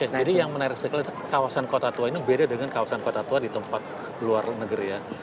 jadi yang menarik sekali adalah kawasan kota tua ini beda dengan kawasan kota tua di tempat luar negeri ya